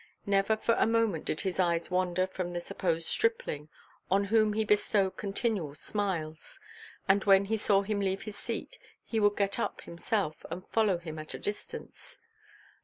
Never for a moment did his eyes wander from the supposed stripling, on whom he bestowed continual smiles, and when he saw him leave his seat, he would get up himself and follow him at a distance.